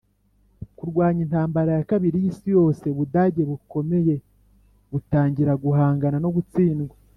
kurwanya intambara ya kabiri y'isi yose: ubudage bukomeye butangira guhangana no gutsindwa